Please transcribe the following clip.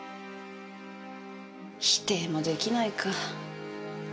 否定も出来ないか。